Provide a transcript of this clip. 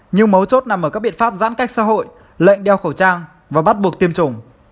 nhưng mấu chốt nằm ở các biện pháp giãn cách xã hội lệnh đeo khẩu trang và bắt buộc tiêm chủng